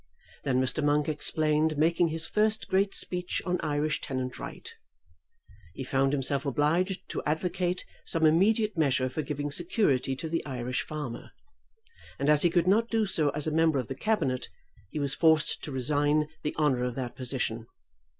Then Mr. Monk explained, making his first great speech on Irish tenant right. He found himself obliged to advocate some immediate measure for giving security to the Irish farmer; and as he could not do so as a member of the Cabinet, he was forced to resign the honour of that position.